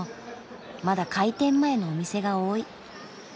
まだ開店前のお店が多い。